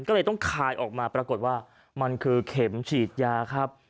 ก็เลยต้องคายออกมาปรากฏว่ามันคือเข็มฉีดยาครับ